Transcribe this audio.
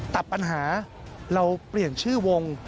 ตัดปัญหาเราเปลี่ยนชื่อวง